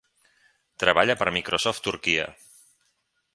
Treballa per a Microsoft Turquia.